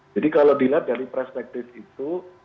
jadi kalau dilihat dari perspektif itu